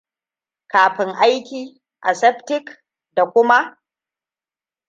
Kafin aiki aseptic, dakuma